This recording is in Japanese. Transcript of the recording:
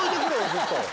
ずっと。